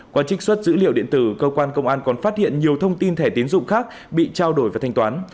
qua trích xuất dữ liệu điện tử cơ quan công an còn phát hiện nhiều thông tin thẻ tiến dụng khác bị trao đổi và thanh toán